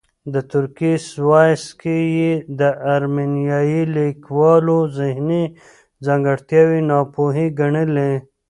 د ترکیې سیواس کې یې د ارمینیايي کلیوالو ذهني ځانګړتیاوې ناپوهې ګڼلې.